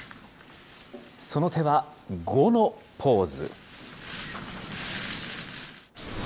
その手は五のポーズ。